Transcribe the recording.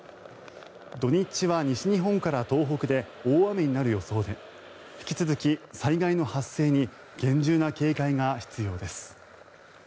土日は西日本から東北で大雨になる予想で引き続き、災害の発生に厳重な警戒が必要です。